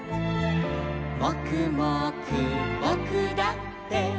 「もくもくぼくだって」